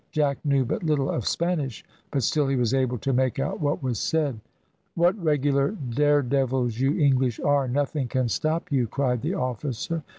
Jack knew but little of Spanish, but still he was able to make out what was said. "What regular daredevils you English are, nothing can stop you," cried the officer.